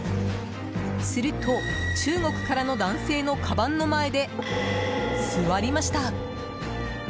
すると、中国からの男性のかばんの前で座りました。